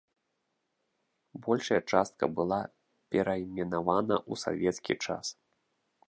Большая частка была перайменавана ў савецкі час.